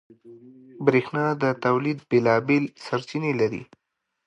برېښنا د تولید بېلابېل سرچینې لري.